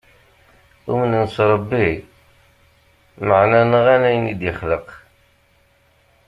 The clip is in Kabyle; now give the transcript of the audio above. Umnen s rebbi maɛna nɣan ayen id-yexleq.